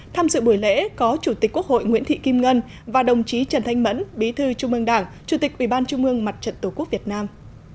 tham dự buổi lễ có chủ tịch quốc hội nguyễn thị kim ngân và đồng chí trần thanh mẫn bí thư trung ương đảng chủ tịch ủy ban trung ương mặt trận tổ quốc việt nam